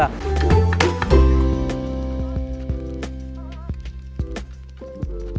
sudah siap untuk meningkatkan investasi di dalam negeri juga